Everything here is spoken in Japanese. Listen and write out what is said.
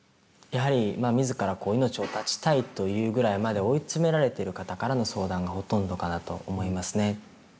やはり自ら命を絶ちたいというぐらいまで追い詰められてる方からの相談がほとんどかなと思いますね。